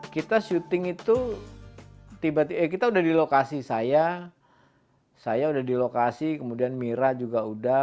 kita syuting itu kita sudah di lokasi saya saya sudah di lokasi kemudian mira juga sudah